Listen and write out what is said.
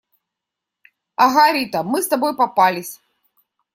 Ага, Рита! Мы с тобой попались.